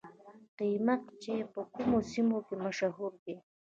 قیماق چای په کومو سیمو کې مشهور دی؟